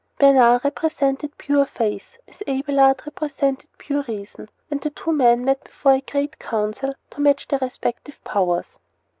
Bernard represented pure faith, as Abelard represented pure reason; and the two men met before a great council to match their respective powers.